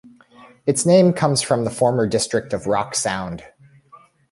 Its name comes from the former district of Rock Sound.